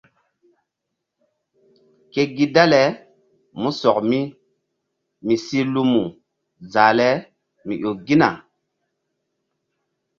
Ke gi dale músɔk mi mi si lumu zah le mi ƴo gina.